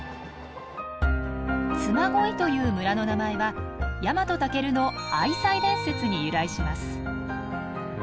嬬恋という村の名前は日本武尊の愛妻伝説に由来します。